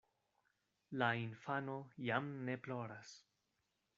La infano jam ne ploras.